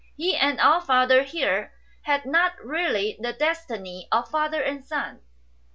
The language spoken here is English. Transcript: He and our father here had not really the destiny of father and son.